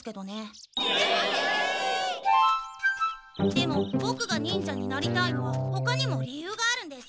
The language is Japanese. でもボクが忍者になりたいのはほかにも理由があるんです。